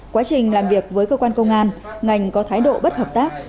quá trình làm việc với cơ quan công an ngành có thái độ bất hợp tác